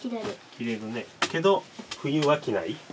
着れるねけど冬は着ない。